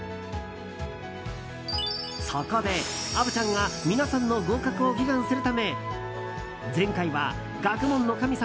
そこで虻ちゃんが皆さんの合格を祈願するため前回は学問の神様